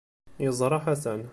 Yeẓra Ḥasan.